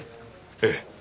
ええ。